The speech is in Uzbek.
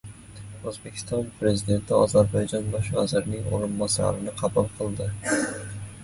O‘zbekiston Prezidenti Ozarbayjon Bosh vazirining o‘rinbosarini qabul qildi